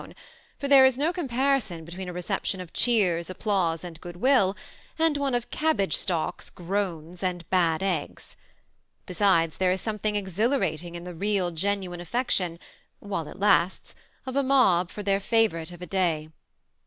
265 own ; for there is no comparison between a reception , of cheers, applause, and good will, and one of cabbage^ stalks, groans, and bad eggs. Besides, there is some thing exhilarating in the real, genuine affection (while k lasts) of a mob for their favorite of a day.